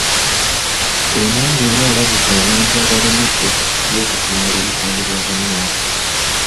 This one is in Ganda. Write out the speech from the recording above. Ennanga era alabudde abantu abalemedde ku by'okutimbula ebipande bya bannaabwe .